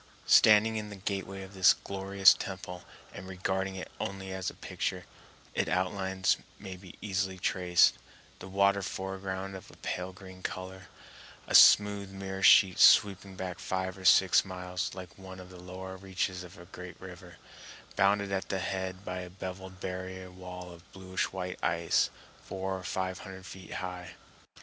Standing in the gateway of this glorious temple, and regarding it only as a picture, its outlines may be easily traced, the water foreground of a pale green color, a smooth mirror sheet sweeping back five or six miles like one of the lower reaches of a great river, bounded at the head by a beveled barrier wall of blueish white ice four or five hundred feet high.